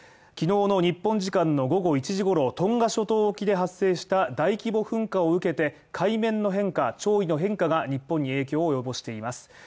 昨日の日本時間の午後１時ごろトンガ諸島沖で発生した大規模噴火を受けて海面の変化や潮位の変化が日本に影響を及ぼしています。